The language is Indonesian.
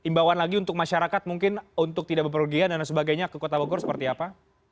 imbauan lagi untuk masyarakat mungkin untuk tidak berpergian dan sebagainya ke kota bogor seperti apa